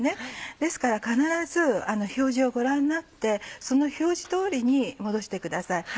ですから必ず表示をご覧になってその表示通りに戻してください。